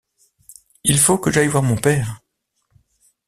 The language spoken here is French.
Il faut que j’aille voir mon père...